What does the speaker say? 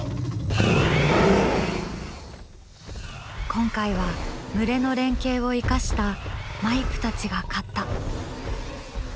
今回は群れの連携を生かしたマイプたちが勝った。